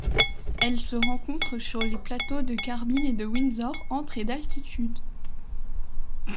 Elle se rencontre sur les plateaux de Carbine et de Windsor, entre et d'altitude.